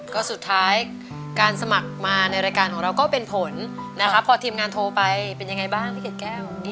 ก็สุดท้ายการสมัครมาในรายการของเราก็เป็นผลนะคะพอทีมงานโทรไปเป็นยังไงบ้างพี่เกดแก้ว